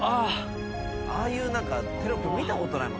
ああいうテロップ見たことない。